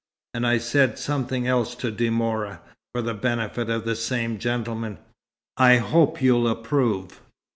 And I said something else to De Mora, for the benefit of the same gentleman. I hope you'll approve."